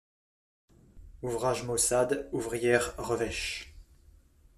Ouvrage maussade, ouvrière revêche.